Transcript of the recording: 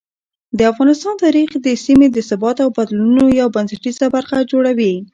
د افغانستان تاریخ د سیمې د ثبات او بدلونونو یو بنسټیزه برخه جوړوي.